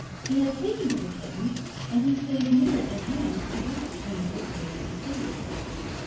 He has taken to the kitten, and he stays near at hand to watch whenever it goes to sleep.